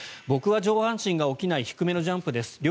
僕は上半身が起きない低めのジャンプです